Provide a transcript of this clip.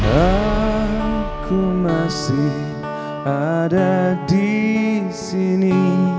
aku masih ada di sini